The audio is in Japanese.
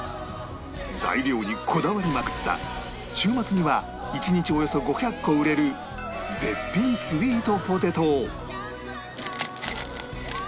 材料にこだわりまくった週末には一日およそ５００個売れる絶品スイートポテトを！